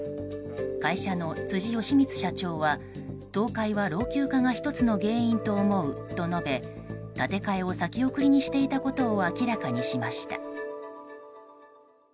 会社の辻賀光社長は、倒壊は老朽化が１つの原因と思うと述べ建て替えを先送りにしていたことを明らかにしました。